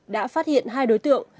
đã phát hiện hai đối tượng